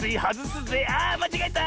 あまちがえた！